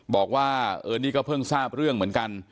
บอกว่าเออนี่ก็เพิ่งทราบเรื่องเหมือนกัน